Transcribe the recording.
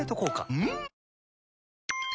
うん！